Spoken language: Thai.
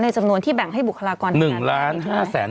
ในจำนวนที่แบ่งให้บุคลากรทางการแพทย์